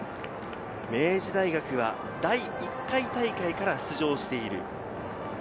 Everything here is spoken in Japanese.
明治大学は第１回大会から出場している。